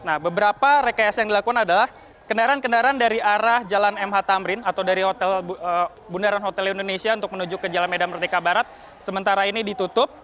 nah beberapa rekayasa yang dilakukan adalah kendaraan kendaraan dari arah jalan mh tamrin atau dari bundaran hotel indonesia untuk menuju ke jalan medan merdeka barat sementara ini ditutup